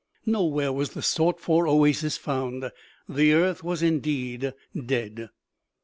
Nowhere was the sought for oasis found. The earth was indeed dead.